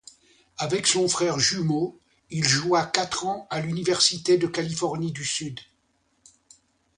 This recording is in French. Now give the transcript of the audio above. Avec son frère jumeau, il joua quatre ans à l'Université de Californie du Sud.